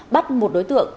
bắt một đối tượng